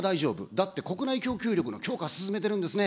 だって国内供給力の強化進めてるんですね。